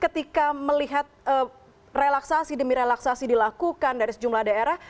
ketika melihat relaksasi demi relaksasi dilakukan dari sejumlah daerah